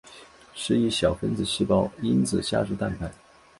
是一小分子细胞因子家族蛋白。